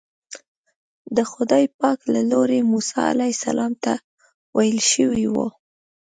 د خدای پاک له لوري موسی علیه السلام ته ویل شوي وو.